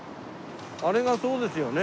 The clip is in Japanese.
あれがそうですよね？